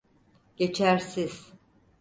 Geçersiz.